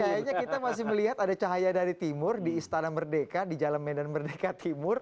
kayaknya kita masih melihat ada cahaya dari timur di istana merdeka di jalan medan merdeka timur